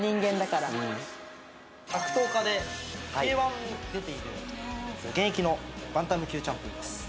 格闘家でＫ−１に出ている現役のバンタム級チャンピオンです。